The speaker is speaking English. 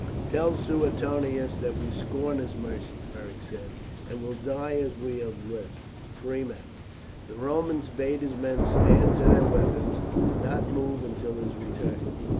"Tell Suetonius that we scorn his mercy," Beric said, "and will die as we have lived, free men." The Roman bade his men stand to their weapons, and not move until his return.